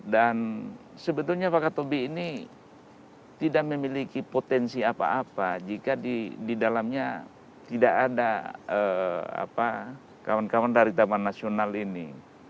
dan sebetulnya pak kato bi ini tidak memiliki potensi apa apa jika di dalamnya tidak ada kawan kawan dari taman nasional ini